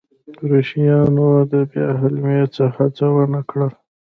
کروشیایانو د بیا حملې هڅه ونه کړل.